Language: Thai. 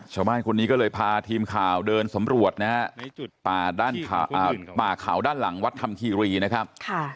ชาวบ้านคนนี้ก็เลยพาทีมข่าวเดินสำรวจนะฮะป่าด้านป่าเขาด้านหลังวัดธรรมคีรีนะครับ